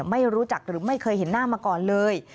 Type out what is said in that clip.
ไม่รู้จักหรือไม่เคยเห็นหน้ามาก่อนเลย